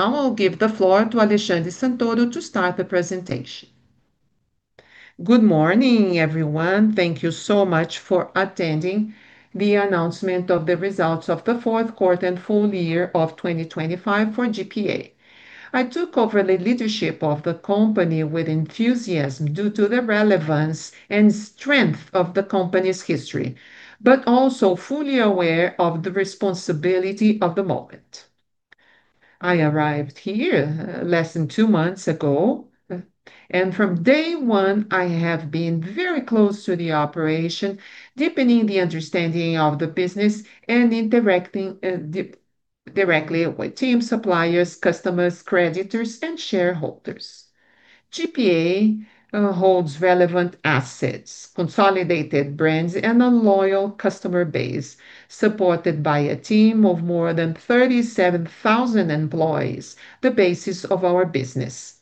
Now I'll give the floor to Alexandre Santoro to start the presentation. Good morning, everyone. Thank you so much for attending the announcement of the results of the fourth quarter and full year of 2025 for GPA. I took over the leadership of the company with enthusiasm, due to the relevance and strength of the company's history, but also fully aware of the responsibility of the moment. I arrived here, less than two months ago, and from day one, I have been very close to the operation, deepening the understanding of the business and interacting directly with teams, suppliers, customers, creditors, and shareholders. GPA holds relevant assets, consolidated brands, and a loyal customer base, supported by a team of more than 37,000 employees, the basis of our business.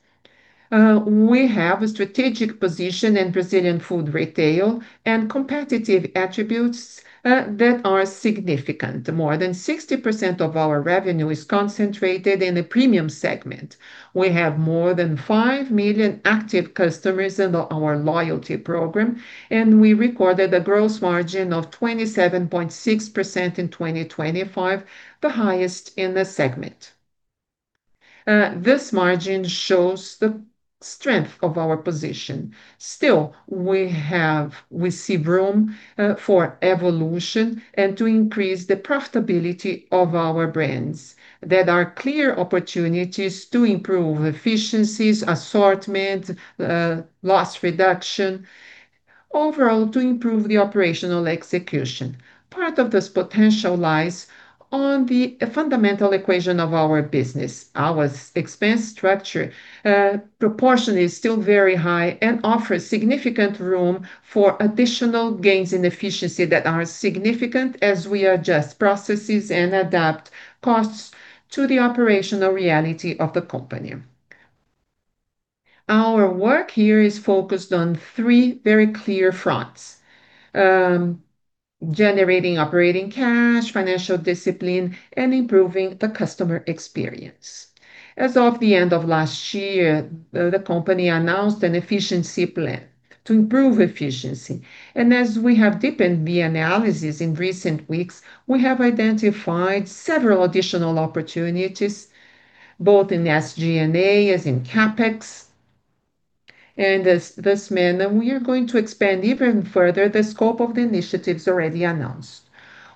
We have a strategic position in Brazilian food retail and competitive attributes that are significant. More than 60% of our revenue is concentrated in the premium segment. We have more than 5 million active customers in our loyalty program. We recorded a gross margin of 27.6% in 2025, the highest in the segment. This margin shows the strength of our position. Still, we see room for evolution and to increase the profitability of our brands. There are clear opportunities to improve efficiencies, assortment, loss reduction, overall, to improve the operational execution. Part of this potential lies on the fundamental equation of our business. Our expense structure, proportion is still very high and offers significant room for additional gains in efficiency that are significant as we adjust processes and adapt costs to the operational reality of the company. Our work here is focused on three very clear fronts: generating operating cash, financial discipline, and improving the customer experience. As of the end of last year, the company announced an efficiency plan to improve efficiency, as we have deepened the analysis in recent weeks, we have identified several additional opportunities, both in SG&A, as in CapEx. As this manner, we are going to expand even further the scope of the initiatives already announced.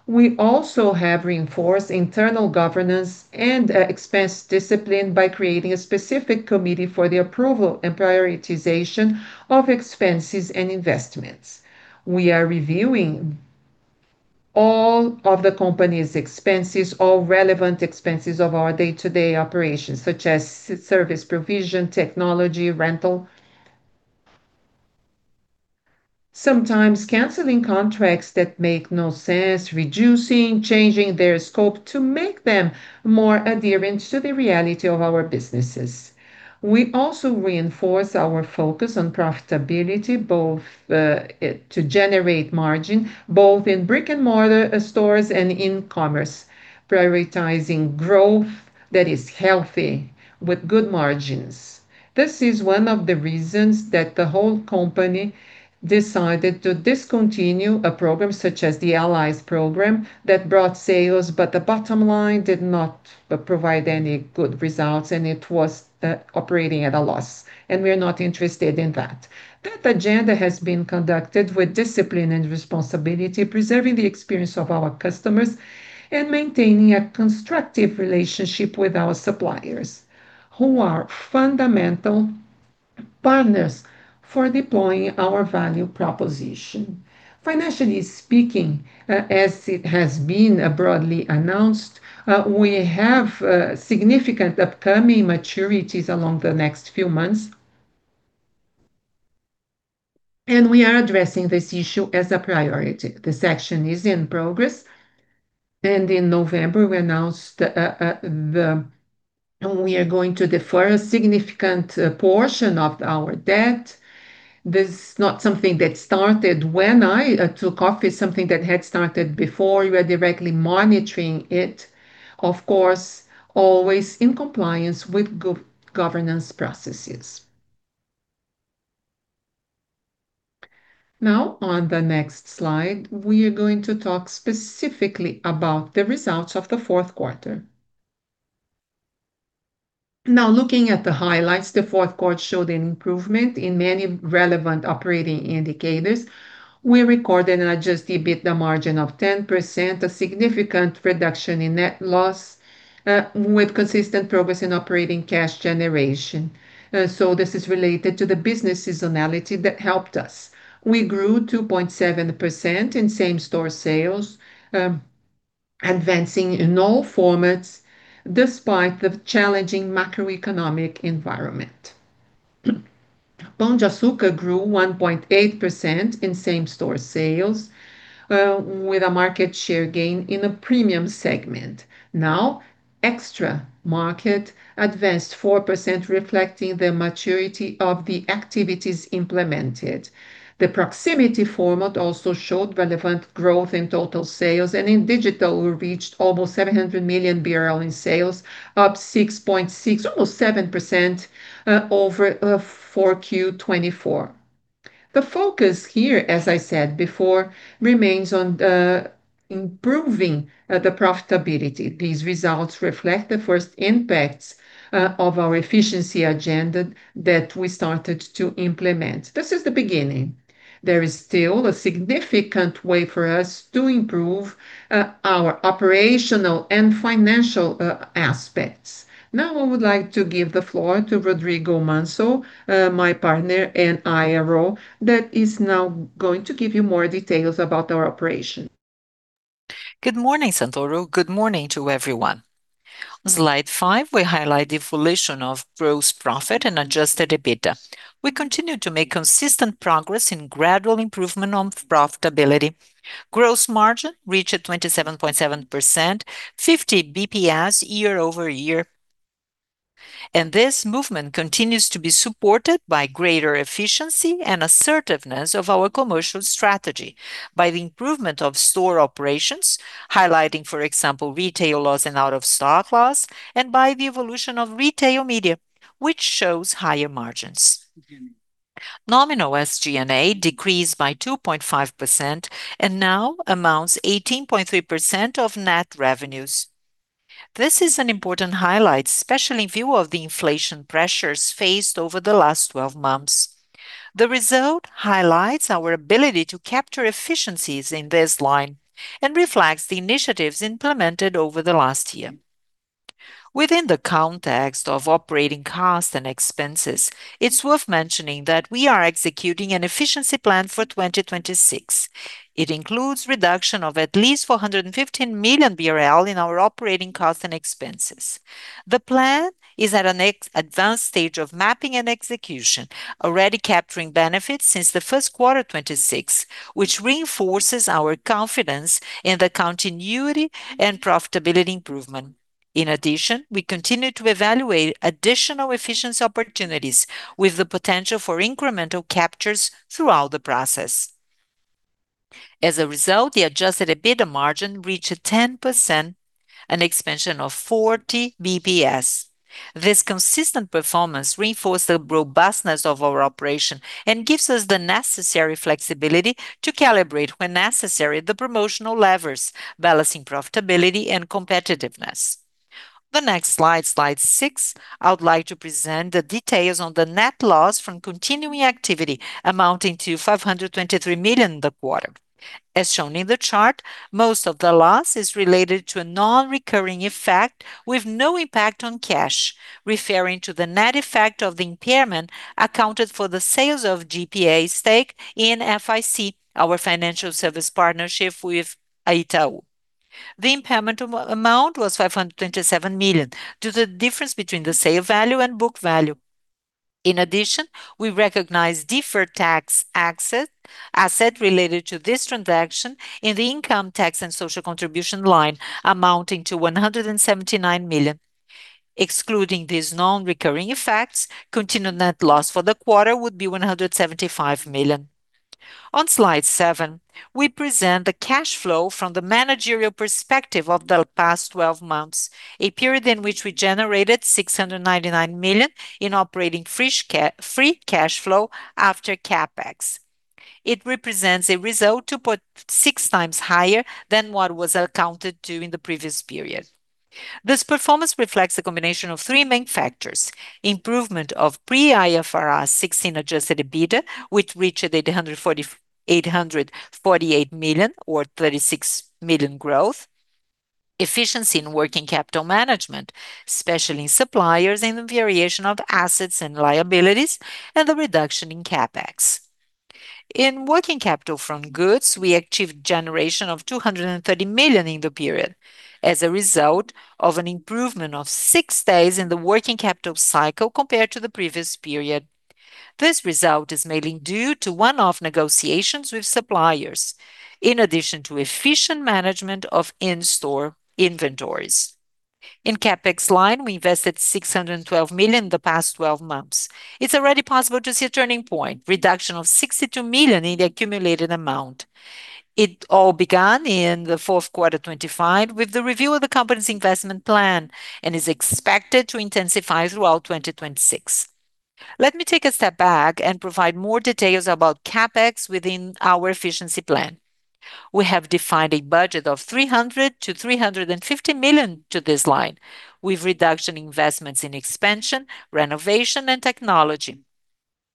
We also have reinforced internal governance and, expense discipline by creating a specific committee for the approval and prioritization of expenses and investments. We are reviewing all of the company's expenses, all relevant expenses of our day-to-day operations, such as service provision, technology, rental. Sometimes canceling contracts that make no sense, reducing, changing their scope to make them more adherent to the reality of our businesses. We also reinforce our focus on profitability, both to generate margin, both in brick-and-mortar stores and in commerce, prioritizing growth that is healthy with good margins. This is one of the reasons that the whole company decided to discontinue a program such as the Aliados program that brought sales, but the bottom line did not provide any good results, and it was operating at a loss, and we are not interested in that. That agenda has been conducted with discipline and responsibility, preserving the experience of our customers and maintaining a constructive relationship with our suppliers, who are fundamental partners for deploying our value proposition. Financially speaking, as it has been broadly announced, we have significant upcoming maturities along the next few months. We are addressing this issue as a priority. This action is in progress. In November, we announced we are going to defer a significant portion of our debt. This is not something that started when I took office. Something that had started before. We are directly monitoring it, of course, always in compliance with governance processes. On the next slide, we are going to talk specifically about the results of the fourth quarter. Looking at the highlights, the fourth quarter showed an improvement in many relevant operating indicators. We recorded an Adjusted EBITDA margin of 10%, a significant reduction in net loss, with consistent progress in operating cash generation. This is related to the business seasonality that helped us. We grew 2.7% in same-store sales, advancing in all formats, despite the challenging macroeconomic environment. Pão de Açúcar grew 1.8% in same-store sales, with a market share gain in the premium segment. Extra market advanced 4%, reflecting the maturity of the activities implemented. The proximity format also showed relevant growth in total sales. In digital, we reached almost 700 million BRL in sales, up 6.6%, almost 7%, over 4Q 2024. The focus here, as I said before, remains on improving the profitability. These results reflect the first impacts of our efficiency agenda that we started to implement. This is the beginning. There is still a significant way for us to improve our operational and financial aspects. I would like to give the floor to Rodrigo Manso, my partner in IR, that is now going to give you more details about our operation. Good morning, Santoro. Good morning to everyone. Slide 5, we highlight the evolution of gross profit and Adjusted EBITDA. We continue to make consistent progress in gradual improvement on profitability. Gross margin reached 27.7%, 50 basis points year-over-year. This movement continues to be supported by greater efficiency and assertiveness of our commercial strategy by the improvement of store operations, highlighting, for example, retail loss and out-of-stock loss, and by the evolution of retail media, which shows higher margins. Nominal SG&A decreased by 2.5% and now amounts 18.3% of net revenues. This is an important highlight, especially in view of the inflation pressures faced over the last 12 months. The result highlights our ability to capture efficiencies in this line and reflects the initiatives implemented over the last year. Within the context of operating costs and expenses, it's worth mentioning that we are executing an efficiency plan for 2026. It includes reduction of at least 415 million BRL in our operating costs and expenses. The plan is at an advanced stage of mapping and execution, already capturing benefits since the first quarter of 2026, which reinforces our confidence in the continuity and profitability improvement. In addition, we continue to evaluate additional efficiency opportunities with the potential for incremental captures throughout the process. As a result, the Adjusted EBITDA margin reached 10%, an expansion of 40 basis points. This consistent performance reinforce the robustness of our operation and gives us the necessary flexibility to calibrate, when necessary, the promotional levers, balancing profitability and competitiveness. The next slide six, I would like to present the details on the net loss from continuing activity amounting to 523 million in the quarter. As shown in the chart, most of the loss is related to a non-recurring effect with no impact on cash. Referring to the net effect of the impairment, accounted for the sales of GPA stake in FIC, our financial service partnership with Itaú. The impairment amount was 527 million, due to the difference between the sale value and book value. In addition, we recognized deferred tax asset related to this transaction in the income tax and social contribution line, amounting to 179 million. Excluding these non-recurring effects, continued net loss for the quarter would be 175 million. On slide 7, we present the cash flow from the managerial perspective of the past 12 months, a period in which we generated 699 million in operating free cash flow after CapEx. It represents a result six times higher than what was accounted to in the previous period. This performance reflects a combination of three main factors: improvement of pre-IFRS 16 Adjusted EBITDA, which reached 848 million or 36 million growth; efficiency in working capital management, especially in suppliers and the variation of assets and liabilities; and the reduction in CapEx. In working capital from goods, we achieved generation of 230 million in the period as a result of an improvement of six days in the working capital cycle compared to the previous period. This result is mainly due to one-off negotiations with suppliers, in addition to efficient management of in-store inventories. In CapEx line, we invested 612 million in the past 12 months. It's already possible to see a turning point, reduction of 62 million in the accumulated amount. It all began in the fourth quarter of 2025, with the review of the company's investment plan, and is expected to intensify throughout 2026. Let me take a step back and provide more details about CapEx within our efficiency plan. We have defined a budget of 300 million-350 million to this line, with reduction investments in expansion, renovation, and technology,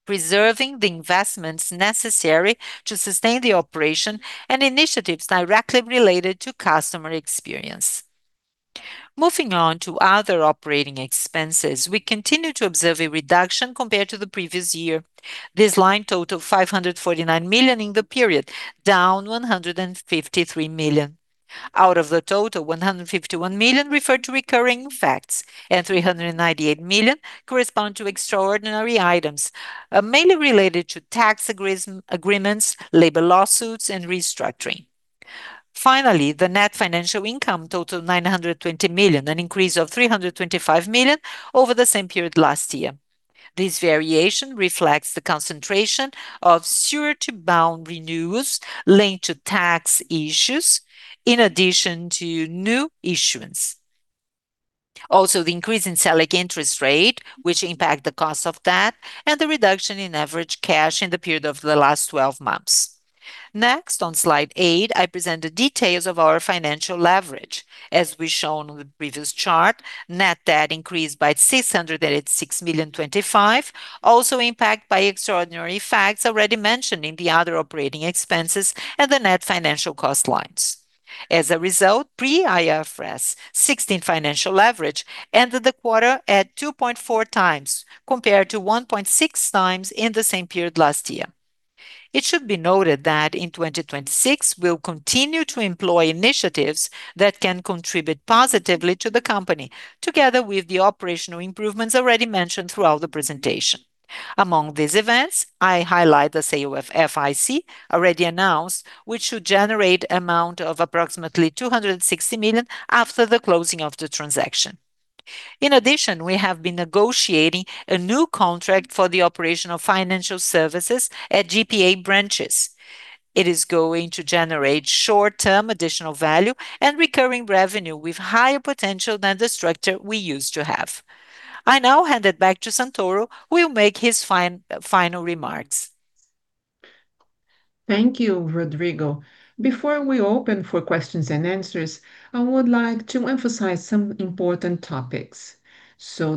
preserving the investments necessary to sustain the operation and initiatives directly related to customer experience. Moving on to other operating expenses, we continue to observe a reduction compared to the previous year. This line totaled 549 million in the period, down 153 million. Out of the total, 151 million refer to recurring facts, and 398 million correspond to extraordinary items, mainly related to tax agreements, labor lawsuits, and restructuring. The net financial income totaled 920 million, an increase of 325 million over the same period last year. This variation reflects the concentration of surety bond renewals linked to tax issues, in addition to new issuance... The increase in Selic interest rate, which impact the cost of that, and the reduction in average cash in the period of the last 12 months. On slide 8, I present the details of our financial leverage. As we've shown on the previous chart, net debt increased by 686.25 million, also impacted by extraordinary facts already mentioned in the other operating expenses and the net financial cost lines. As a result, pre-IFRS 16 financial leverage ended the quarter at 2.4 times, compared to 1.six times in the same period last year. It should be noted that in 2026, we'll continue to employ initiatives that can contribute positively to the company, together with the operational improvements already mentioned throughout the presentation. Among these events, I highlight the sale of FIC, already announced, which should generate amount of approximately 260 million after the closing of the transaction. In addition, we have been negotiating a new contract for the operational financial services at GPA branches. It is going to generate short-term additional value and recurring revenue with higher potential than the structure we used to have. I now hand it back to Santoro, who will make his final remarks. Thank you, Rodrigo. Before we open for questions and answers, I would like to emphasize some important topics.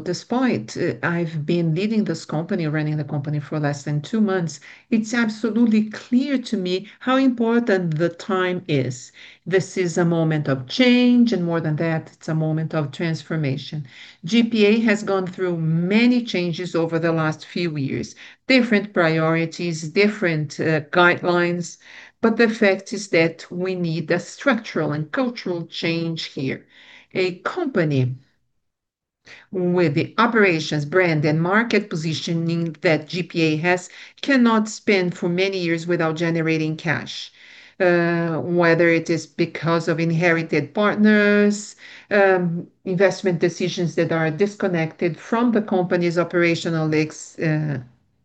Despite, I've been leading this company, running the company for less than two months, it's absolutely clear to me how important the time is. This is a moment of change, and more than that, it's a moment of transformation. GPA has gone through many changes over the last few years: different priorities, different guidelines, but the fact is that we need a structural and cultural change here. A company with the operations, brand, and market positioning that GPA has cannot spend for many years without generating cash, whether it is because of inherited partners, investment decisions that are disconnected from the company's operational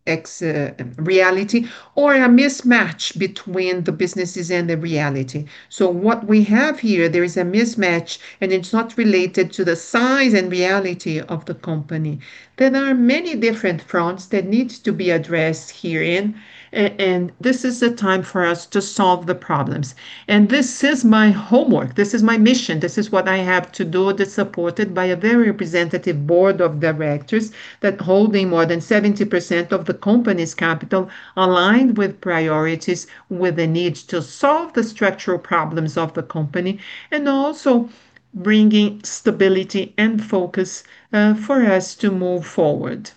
reality, or a mismatch between the businesses and the reality. What we have here, there is a mismatch, and it's not related to the size and reality of the company. There are many different fronts that needs to be addressed herein, and this is the time for us to solve the problems. This is my homework. This is my mission. This is what I have to do that's supported by a very representative board of directors that holding more than 70% of the company's capital, aligned with priorities, with the need to solve the structural problems of the company, and also bringing stability and focus, for us to move forward.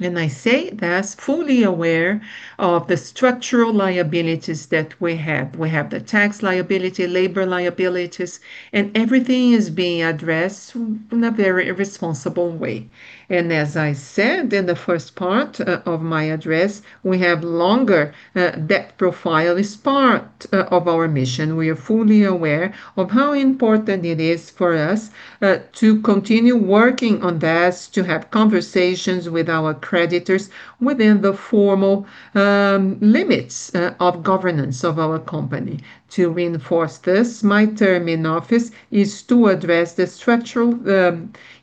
I say that fully aware of the structural liabilities that we have. We have the tax liability, labor liabilities, and everything is being addressed in a very responsible way. As I said in the first part of my address, we have longer debt profile is part of our mission. We are fully aware of how important it is for us to continue working on this, to have conversations with our creditors within the formal limits of governance of our company. To reinforce this, my term in office is to address the structural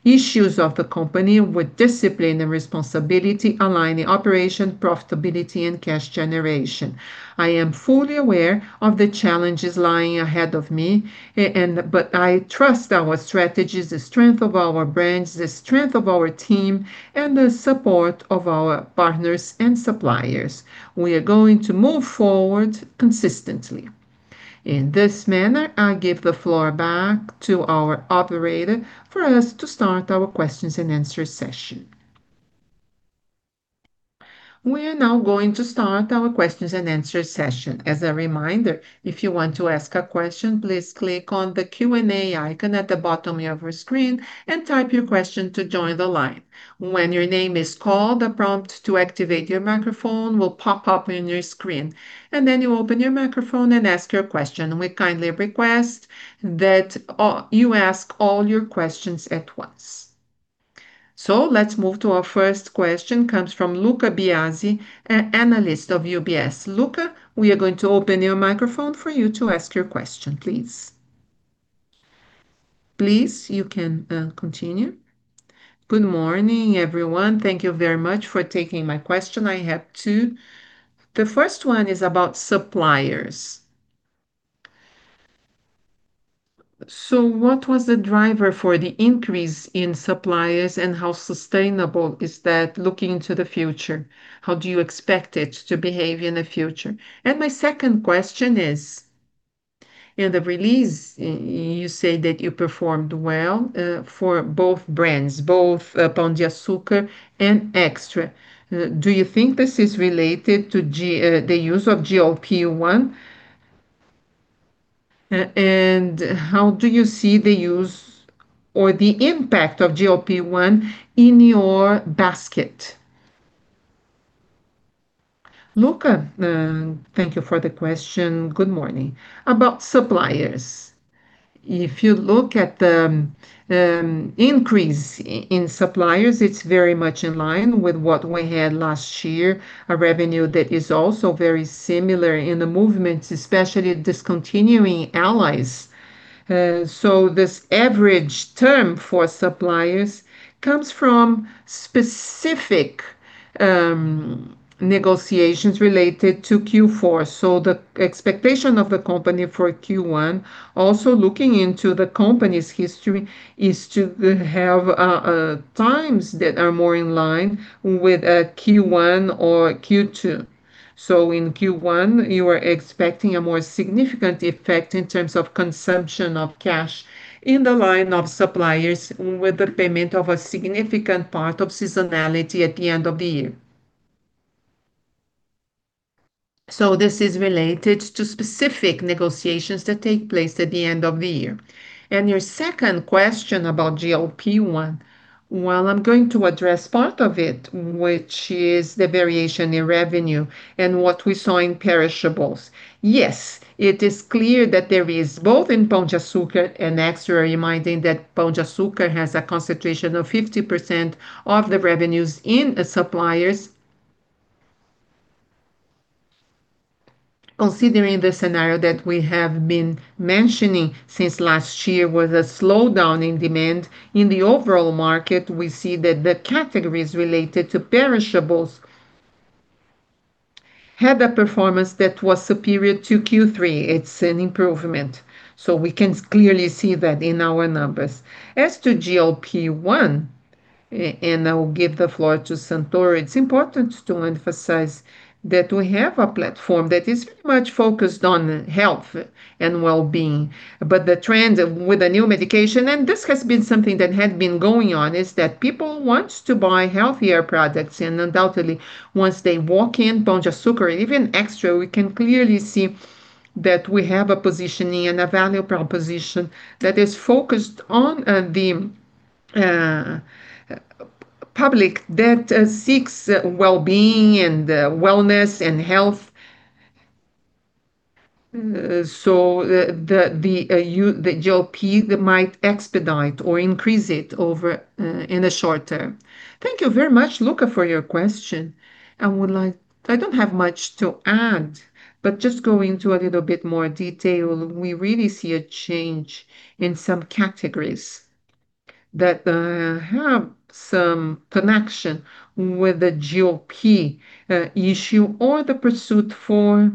issues of the company with discipline and responsibility, aligning operation, profitability, and cash generation. I am fully aware of the challenges lying ahead of me, and but I trust our strategies, the strength of our brands, the strength of our team, and the support of our partners and suppliers. We are going to move forward consistently. In this manner, I give the floor back to our operator for us to start our questions and answer session. We are now going to start our questions and answer session. As a reminder, if you want to ask a question, please click on the Q&A icon at the bottom of your screen and type your question to join the line. When your name is called, a prompt to activate your microphone will pop up on your screen, and then you open your microphone and ask your question. We kindly request that you ask all your questions at once. Let's move to our first question, comes from Lucca Biasi, a analyst of UBS. Lucca, we are going to open your microphone for you to ask your question, please. Please, you can continue. Good morning, everyone. Thank you very much for taking my question. I have two. The first one is about suppliers. What was the driver for the increase in suppliers, and how sustainable is that, looking into the future? How do you expect it to behave in the future? My second question is, in the release, you say that you performed well for both brands, both Pão de Açúcar and Extra. Do you think this is related to the use of GLP-1? How do you see the use or the impact of GLP-1 in your basket? Luca, thank you for the question. Good morning. About suppliers, if you look at the increase in suppliers, it's very much in line with what we had last year, a revenue that is also very similar in the movements, especially discontinuing allies. This average term for suppliers comes from specific negotiations related to Q4. The expectation of the company for Q1, also looking into the company's history, is to have times that are more in line with a Q1 or Q2. In Q1, you are expecting a more significant effect in terms of consumption of cash in the line of suppliers with the payment of a significant part of seasonality at the end of the year. This is related to specific negotiations that take place at the end of the year. Your second question about GLP-1, well, I'm going to address part of it, which is the variation in revenue and what we saw in perishables. Yes, it is clear that there is, both in Pão de Açúcar and Extra, reminding that Pão de Açúcar has a concentration of 50% of the revenues in the suppliers. Considering the scenario that we have been mentioning since last year, with a slowdown in demand in the overall market, we see that the categories related to perishables had a performance that was superior to Q3. It's an improvement, so we can clearly see that in our numbers. As to GLP-1, and I will give the floor to Santoro, it's important to emphasize that we have a platform that is very much focused on health and wellbeing. The trend of... With the new medication, and this has been something that had been going on, is that people want to buy healthier products. Undoubtedly, once they walk in Pão de Açúcar, even Extra, we can clearly see that we have a positioning and a value proposition that is focused on the public that seeks wellbeing, and wellness, and health. The GLP, that might expedite or increase it over in the short term. Thank you very much, Luca, for your question. I don't have much to add, but just going into a little bit more detail, we really see a change in some categories that have some connection with the GLP issue, or the pursuit for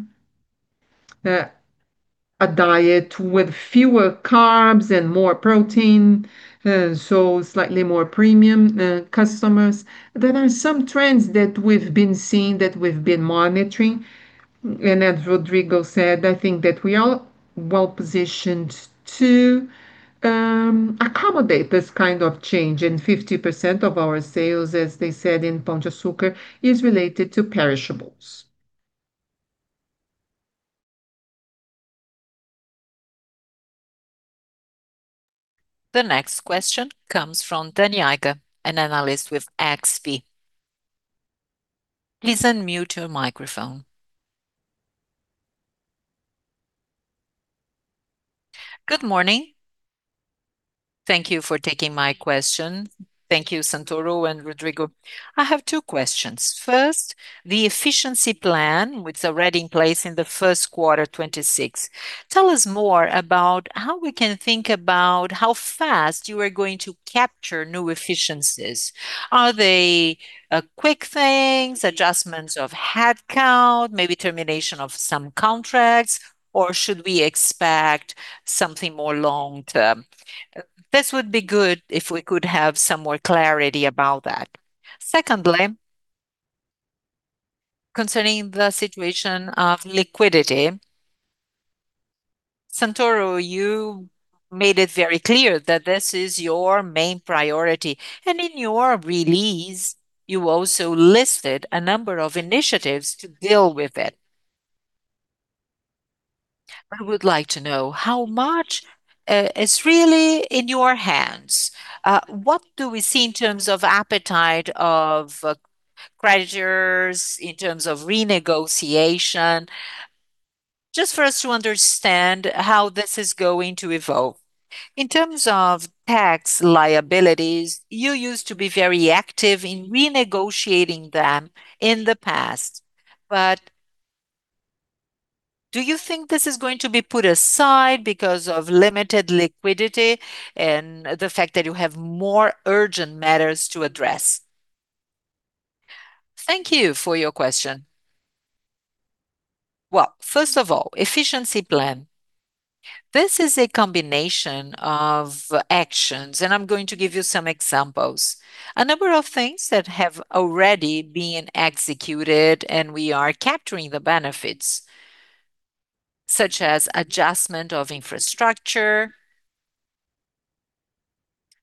a diet with fewer carbs and more protein, so slightly more premium customers. There are some trends that we've been seeing, that we've been monitoring, and as Rodrigo said, I think that we are well-positioned to accommodate this kind of change. 50% of our sales, as they said in Pão de Açúcar, is related to perishables. The next question comes from Danniela Eiger, an analyst with XP. Please unmute your microphone. Good morning. Thank you for taking my question. Thank you, Santoro and Rodrigo. I have two questions. First, the efficiency plan, which is already in place in the first quarter 2026. Tell us more about how we can think about how fast you are going to capture new efficiencies. Are they quick things, adjustments of headcount, maybe termination of some contracts, or should we expect something more long-term? This would be good if we could have some more clarity about that. Secondly, concerning the situation of liquidity, Santoro, you made it very clear that this is your main priority, and in your release, you also listed a number of initiatives to deal with it. I would like to know, how much is really in your hands? What do we see in terms of appetite, of creditors, in terms of renegotiation? Just for us to understand how this is going to evolve. In terms of tax liabilities, you used to be very active in renegotiating them in the past, but do you think this is going to be put aside because of limited liquidity and the fact that you have more urgent matters to address? Thank you for your question. Well, first of all, efficiency plan. This is a combination of actions, and I'm going to give you some examples. A number of things that have already been executed, and we are capturing the benefits, such as adjustment of infrastructure.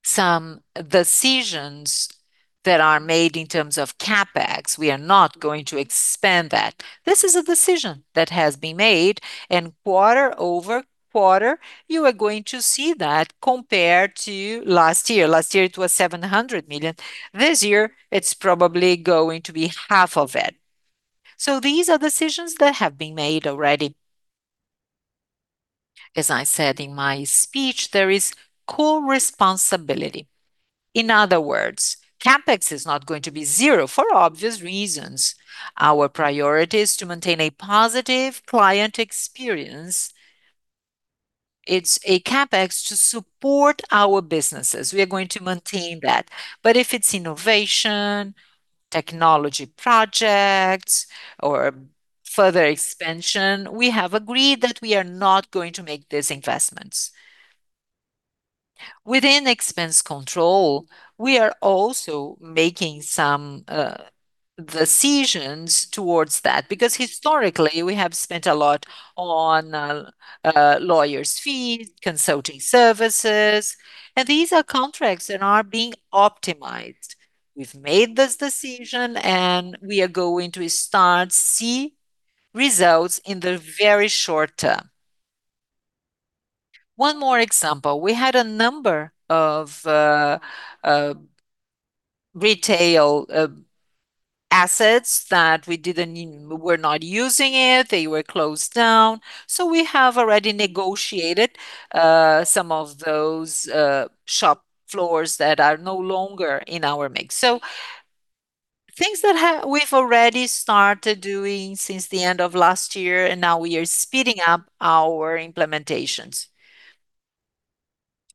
Some decisions that are made in terms of CapEx, we are not going to expand that. This is a decision that has been made, and quarter-over-quarter, you are going to see that compared to last year. Last year, it was 700 million. This year, it's probably going to be half of it. These are decisions that have been made already. As I said in my speech, there is co-responsibility.... In other words, CapEx is not going to be zero for obvious reasons. Our priority is to maintain a positive client experience. It's a CapEx to support our businesses. We are going to maintain that. If it's innovation, technology projects, or further expansion, we have agreed that we are not going to make these investments. Within expense control, we are also making some decisions towards that, because historically, we have spent a lot on lawyers' fees, consulting services, and these are contracts that are being optimized. We've made this decision, and we are going to start see results in the very short term. One more example: We had a number of retail assets that we didn't need... We were not using it. They were closed down. We have already negotiated some of those shop floors that are no longer in our mix. Things that we've already started doing since the end of last year, and now we are speeding up our implementations.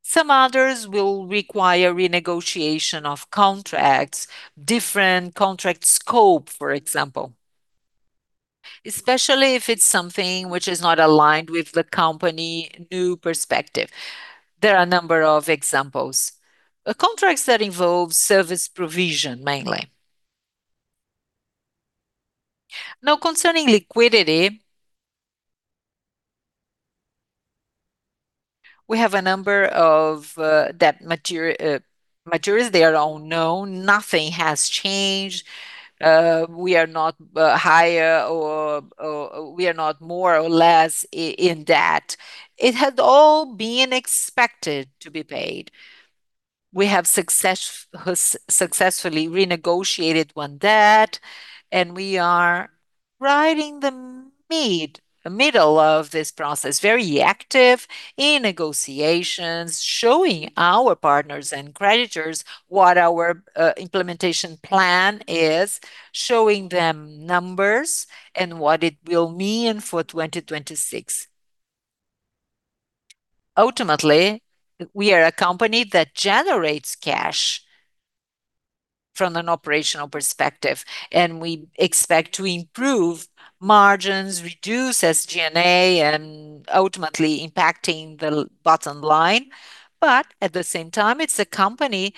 Some others will require renegotiation of contracts, different contract scope, for example, especially if it's something which is not aligned with the company new perspective. There are a number of examples. Contracts that involve service provision, mainly. Concerning liquidity, we have a number of debt maturities. They are all known. Nothing has changed. We are not higher or we are not more or less in debt. It had all been expected to be paid. We have successfully renegotiated one debt, and we are riding the middle of this process, very active in negotiations, showing our partners and creditors what our implementation plan is, showing them numbers and what it will mean for 2026. Ultimately, we are a company that generates cash from an operational perspective, and we expect to improve margins, reduce SG&A, and ultimately impacting the bottom line. At the same time, it's a company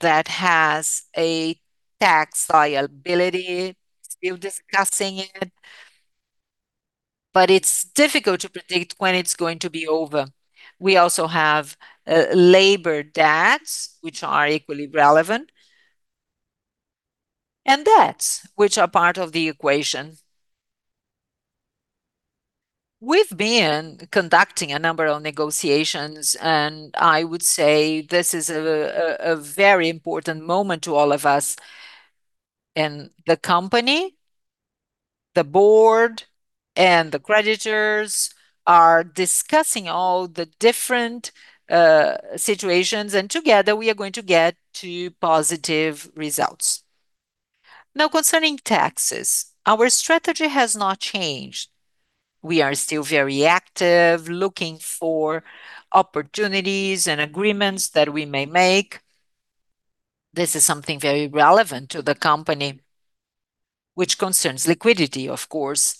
that has a tax liability. Still discussing it, but it's difficult to predict when it's going to be over. We also have labor debts, which are equally relevant, and debts, which are part of the equation. We've been conducting a number of negotiations, and I would say this is a very important moment to all of us. The company, the board, and the creditors are discussing all the different situations, and together, we are going to get to positive results. Concerning taxes, our strategy has not changed. We are still very active, looking for opportunities and agreements that we may make. This is something very relevant to the company, which concerns liquidity, of course.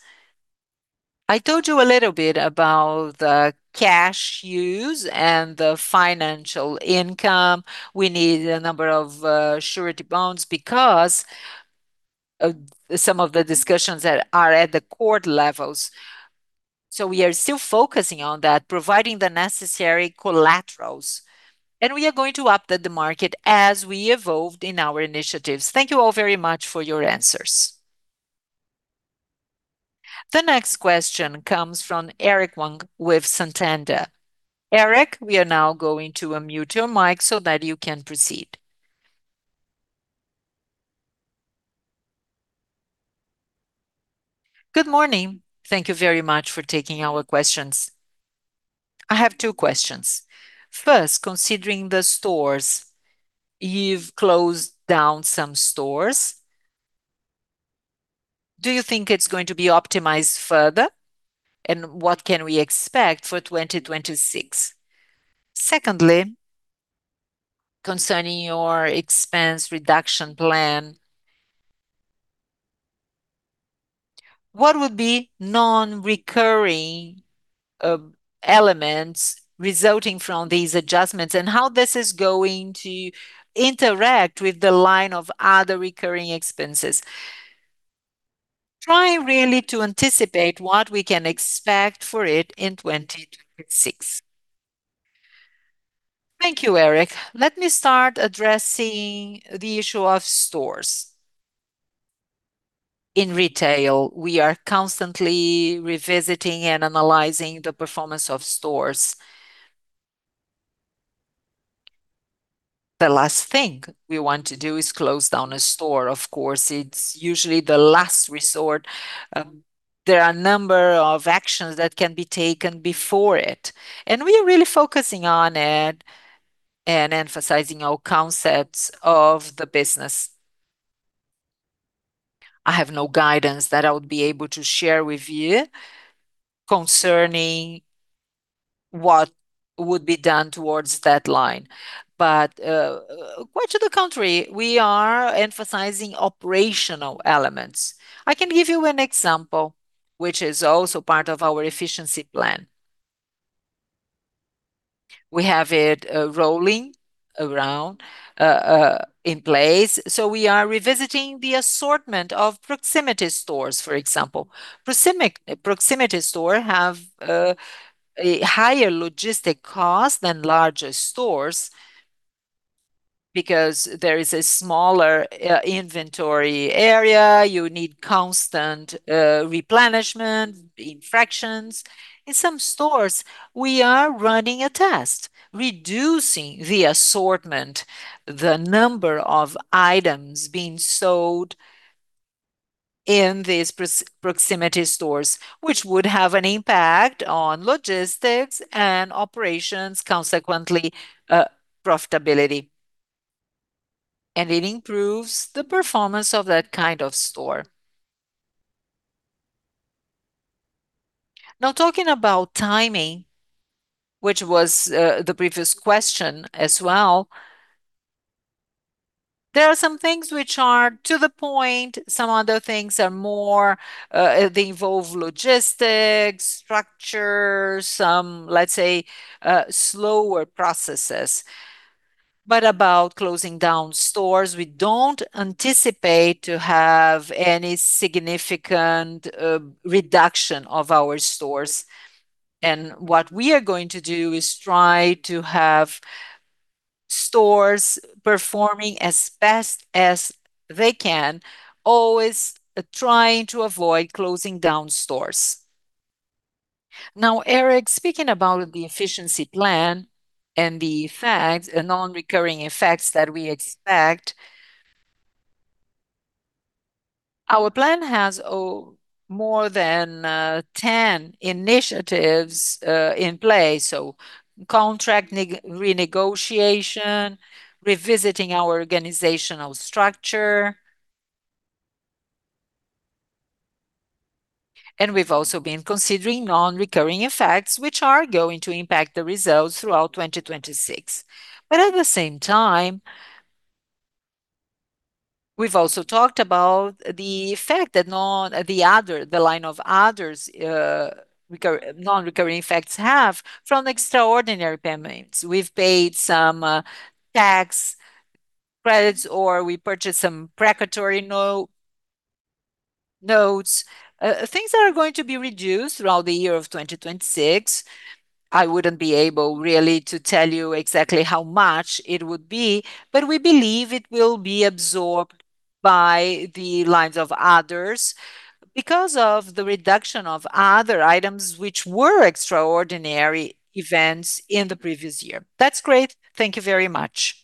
I told you a little bit about the cash use and the financial income. We need a number of surety bonds because some of the discussions that are at the court levels. We are still focusing on that, providing the necessary collaterals, and we are going to update the market as we evolved in our initiatives. Thank you all very much for your answers. The next question comes from Eric Wang with Santander. Eric, we are now going to unmute your mic so that you can proceed. Good morning. Thank you very much for taking our questions. I have two questions. First, considering the stores, you've closed down some stores. Do you think it's going to be optimized further? What can we expect for 2026? Secondly, concerning your expense reduction plan, what would be non-recurring elements resulting from these adjustments, and how this is going to interact with the line of other recurring expenses? Try really to anticipate what we can expect for it in 2026. Thank you, Eric. Let me start addressing the issue of stores. In retail, we are constantly revisiting and analyzing the performance of stores. The last thing we want to do is close down a store. Of course, it's usually the last resort. There are a number of actions that can be taken before it, and we are really focusing on it and emphasizing all concepts of the business. I have no guidance that I would be able to share with you concerning what would be done towards that line. Quite to the contrary, we are emphasizing operational elements. I can give you an example, which is also part of our efficiency plan. We have it rolling around in place. We are revisiting the assortment of proximity stores, for example. Proximity stores have a higher logistic cost than larger stores because there is a smaller inventory area. You need constant replenishment in fractions. In some stores, we are running a test, reducing the assortment, the number of items being sold in these proximity stores, which would have an impact on logistics and operations, consequently, profitability, and it improves the performance of that kind of store. Talking about timing, which was the previous question as well, there are some things which are to the point. Some other things are more. They involve logistics, structure, some, let's say, slower processes. About closing down stores, we don't anticipate to have any significant reduction of our stores, and what we are going to do is try to have stores performing as best as they can, always trying to avoid closing down stores. Eric, speaking about the efficiency plan and the effects, the non-recurring effects that we expect, our plan has more than 10 initiatives in play, so contract renegotiation, revisiting our organizational structure. We've also been considering non-recurring effects, which are going to impact the results throughout 2026. At the same time, we've also talked about the effect that non... The line of others, non-recurring effects have from extraordinary payments. We've paid some tax credits, or we purchased some precatory notes, things that are going to be reduced throughout the year of 2026. I wouldn't be able really to tell you exactly how much it would be, we believe it will be absorbed by the lines of others because of the reduction of other items, which were extraordinary events in the previous year. That's great. Thank you very much.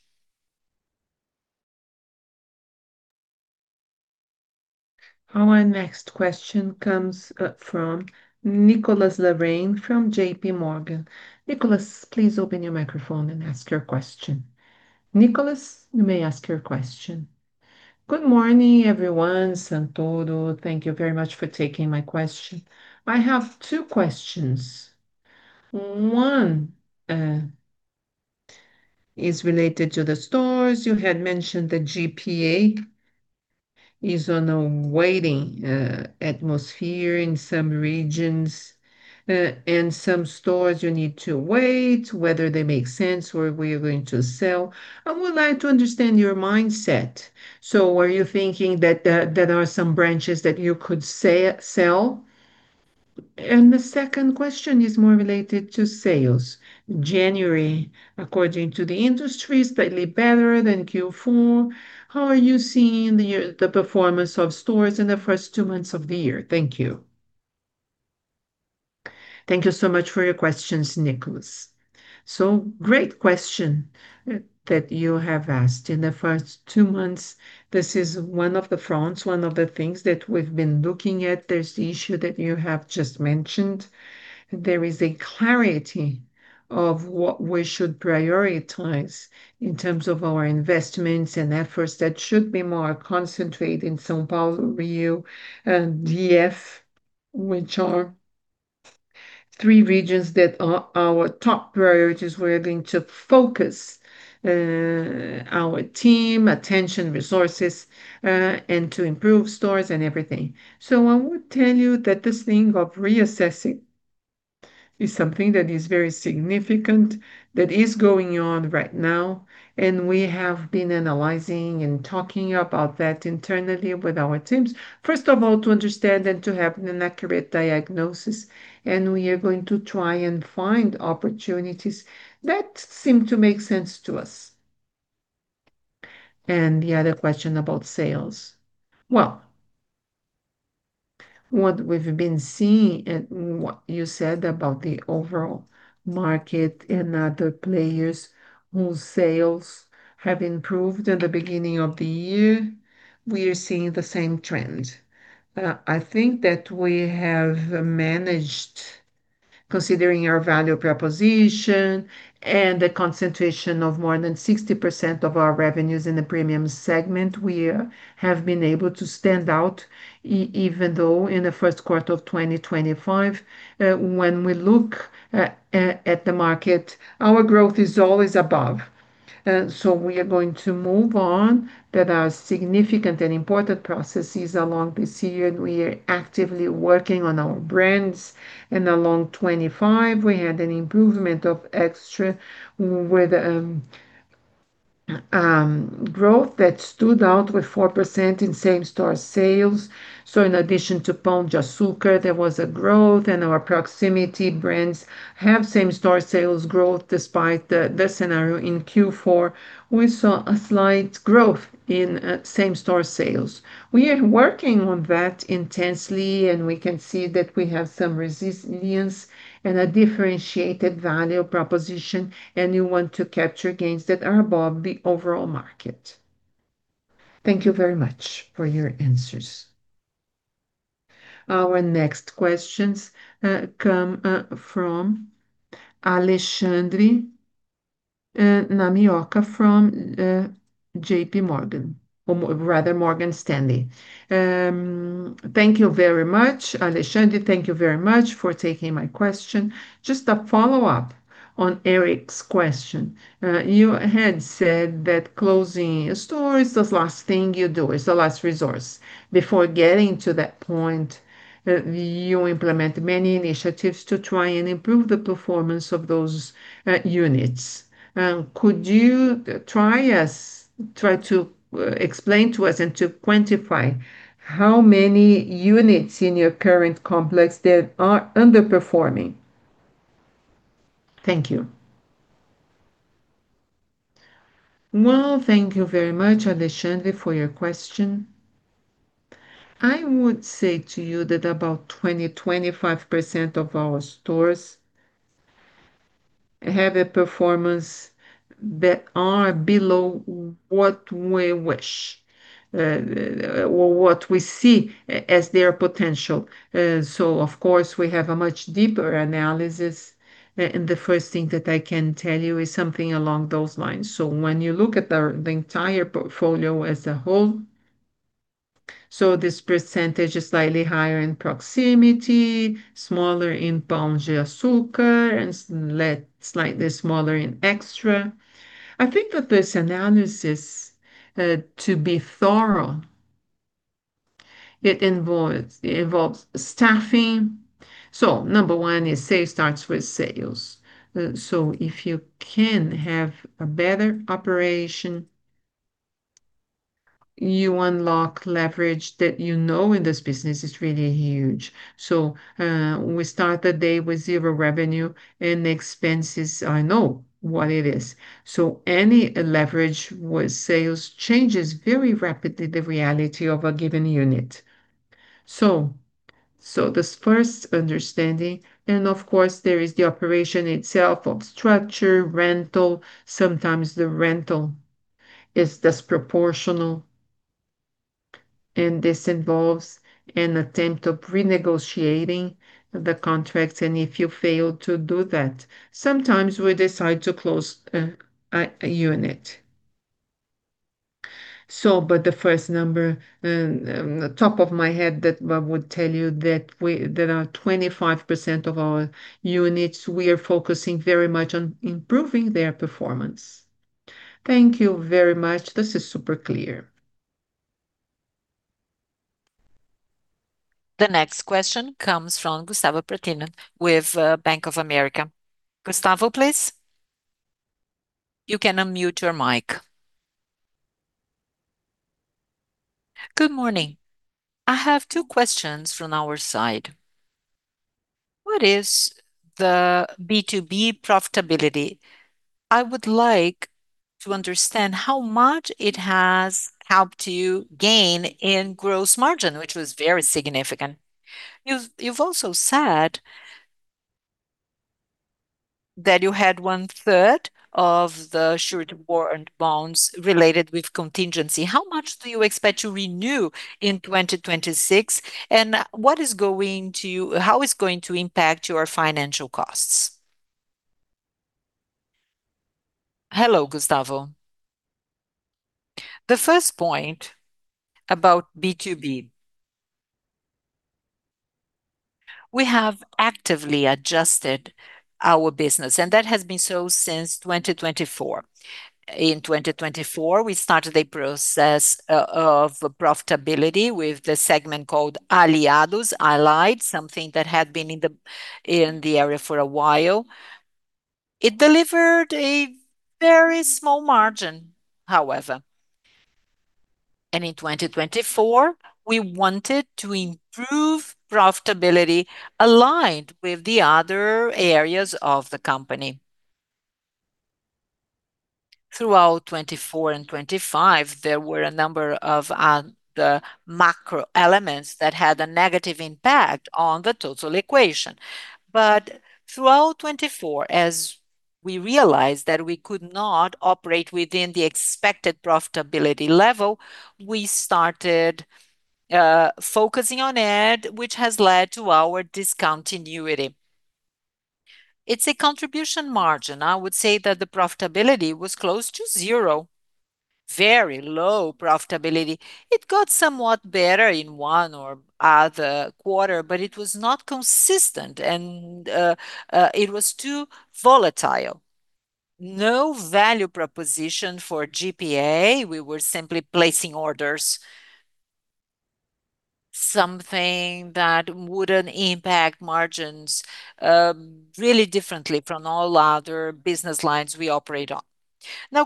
Our next question comes from Nicolás Larrain from JPMorgan. Nicolás, please open your microphone and ask your question. Nicolás, you may ask your question. Good morning, everyone. Santoro, thank you very much for taking my question. I have two questions. One is related to the stores. You had mentioned the GPA is on a waiting atmosphere in some regions, and some stores you need to wait, whether they make sense or we are going to sell. I would like to understand your mindset. Are you thinking that there are some branches that you could say, sell? The second question is more related to sales. January, according to the industry, slightly better than Q4. How are you seeing the performance of stores in the first two months of the year? Thank you. Thank you so much for your questions, Nicolás. Great question that you have asked. In the first two months, this is one of the fronts, one of the things that we've been looking at. There's the issue that you have just mentioned. There is a clarity of what we should prioritize in terms of our investments and efforts that should be more concentrated in São Paulo, Rio, and DF, which are three regions that are our top priorities, where we're going to focus, our team attention, resources, and to improve stores and everything. I would tell you that this thing of reassessing is something that is very significant, that is going on right now, and we have been analyzing and talking about that internally with our teams, first of all, to understand and to have an accurate diagnosis, and we are going to try and find opportunities that seem to make sense to us. The other question about sales. Well, what we've been seeing and what you said about the overall market and other players whose sales have improved at the beginning of the year, we are seeing the same trend. I think that we have managed, considering our value proposition and the concentration of more than 60% of our revenues in the premium segment, we have been able to stand out even though in the first quarter of 2025, when we look at the market, our growth is always above. We are going to move on. There are significant and important processes along this year, and we are actively working on our brands. Along 2025, we had an improvement of Extra with growth that stood out with 4% in same-store sales. In addition to Pão de Açúcar, there was a growth, and our Proximidade brands have same-store sales growth despite the scenario. In Q4, we saw a slight growth in same-store sales. We are working on that intensely, and we can see that we have some resilience and a differentiated value proposition, and we want to capture gains that are above the overall market. Thank you very much for your answers. Our next questions come from Alexandre Namioka from JP Morgan, or rather, Morgan Stanley. Thank you very much, Alexandre. Thank you very much for taking my question. Just a follow-up on Eric's question. You had said that closing a store is the last thing you do, it's the last resource. Before getting to that point, you implement many initiatives to try and improve the performance of those units. Could you try to explain to us and to quantify how many units in your current complex that are underperforming? Thank you. Well, thank you very much, Alexandre, for your question. I would say to you that about 20%-25% of our stores have a performance that are below what we wish or what we see as their potential. Of course, we have a much deeper analysis, the first thing that I can tell you is something along those lines. When you look at our the entire portfolio as a whole, this percentage is slightly higher in Proximidade, smaller in Pão de Açúcar, and slightly smaller in Extra. I think that this analysis, to be thorough, it involves staffing. Number one starts with sales. If you can have a better operation, you unlock leverage that you know in this business is really huge. We start the day with 0 revenue, and expenses are now what it is. Any leverage with sales changes very rapidly the reality of a given unit. This first understanding, and of course, there is the operation itself of structure, rental. Sometimes the rental is disproportional, and this involves an attempt of renegotiating the contracts, and if you fail to do that, sometimes we decide to close a unit. But the first number, the top of my head, that I would tell you that there are 25% of our units, we are focusing very much on improving their performance. Thank you very much. This is super clear. The next question comes from Gustavo Piras Oliveira with Bank of America. Gustavo, please? You can unmute your mic. Good morning. I have two questions from our side. What is the B2B profitability? I would like to understand how much it has helped you gain in gross margin, which was very significant. You've also said that you had 1/3 of the short-term warrant bonds related with contingency. How much do you expect to renew in 2026? How it's going to impact your financial costs? Hello, Gustavo. The first point about B2B, we have actively adjusted our business, that has been so since 2024. In 2024, we started a process of profitability with the segment called Aliados, something that had been in the area for a while. It delivered a very small margin, however, in 2024, we wanted to improve profitability aligned with the other areas of the company. Throughout 2024 and 2025, there were a number of the macro elements that had a negative impact on the total equation. Throughout 2024. we realized that we could not operate within the expected profitability level, we started focusing on it, which has led to our discontinuity. It's a contribution margin. I would say that the profitability was close to zero. Very low profitability. It got somewhat better in one or other quarter, but it was not consistent and it was too volatile. No value proposition for GPA. We were simply placing orders, something that wouldn't impact margins really differently from all other business lines we operate on.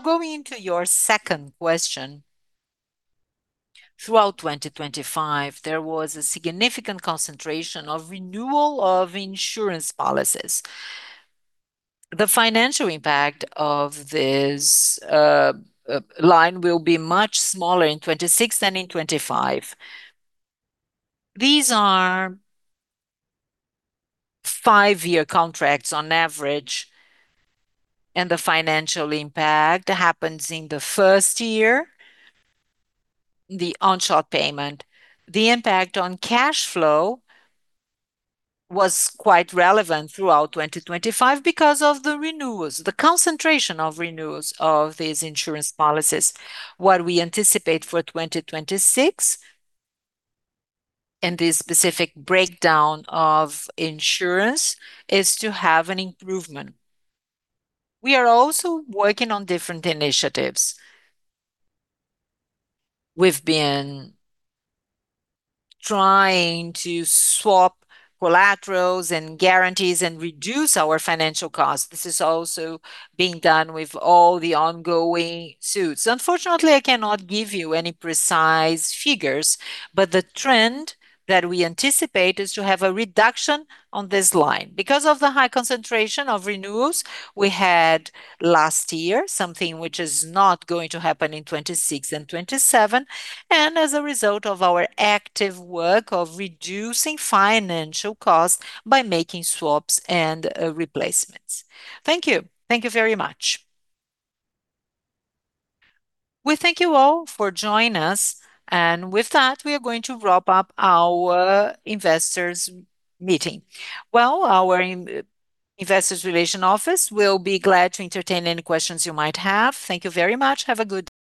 Going into your second question, throughout 2025, there was a significant concentration of renewal of insurance policies. The financial impact of this line will be much smaller in 2026 than in 2025. These are five-year contracts on average, and the financial impact happens in the first year, the one-shot payment. The impact on cash flow was quite relevant throughout 2025 because of the renewals, the concentration of renewals of these insurance policies. What we anticipate for 2026, and this specific breakdown of insurance, is to have an improvement. We are also working on different initiatives. We've been trying to swap collaterals and guarantees and reduce our financial costs. This is also being done with all the ongoing suits. Unfortunately, I cannot give you any precise figures, but the trend that we anticipate is to have a reduction on this line. Because of the high concentration of renewals we had last year, something which is not going to happen in 2026 and 2027, and as a result of our active work of reducing financial costs by making swaps and replacements. Thank you. Thank you very much. We thank you all for joining us. With that, we are going to wrap up our investors meeting. Well, our Investor Relations office will be glad to entertain any questions you might have. Thank you very much. Have a good day!